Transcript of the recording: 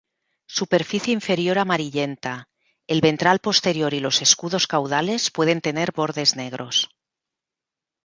Superficie inferior amarillenta; el ventral posterior y los escudos caudales pueden tener bordes negros.